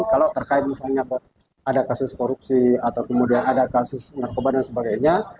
kalau terkait misalnya ada kasus korupsi atau kemudian ada kasus narkoba dan sebagainya